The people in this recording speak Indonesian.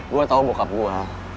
gue tau bokap gue